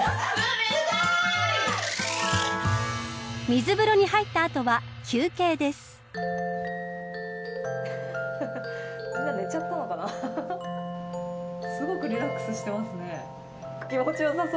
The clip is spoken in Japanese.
水風呂に入った後は休憩です。